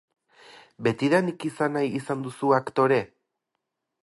Betidanik izan nahi izan duzu aktore?